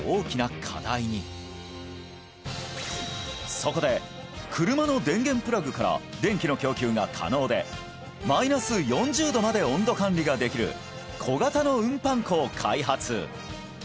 そこで車の電源プラグから電気の供給が可能でマイナス４０度まで温度管理ができる小型の運搬庫を開発